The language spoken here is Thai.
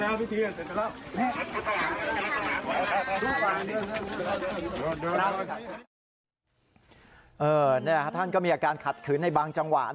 นั่นแหละครับท่านก็มีอาการขัดขืนในบางจังหวะนะครับ